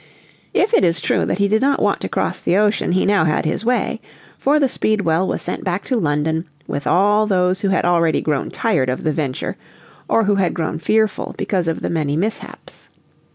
If it is true that he did not want to cross the ocean he now had his way. For the Speedwell was sent back to London with all those who had already grown tired of the venture, or who had grown fearful because of the many mishaps.